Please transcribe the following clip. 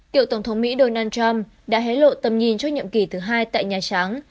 cựu tổng thống mỹ donald trump đã hé lộ tầm nhìn cho nhiệm kỳ thứ hai tại nhà trắng